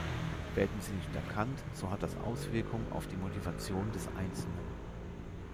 Werden sie nicht erkannt, so hat das Auswirkung auf die Motivation des Einzelnen.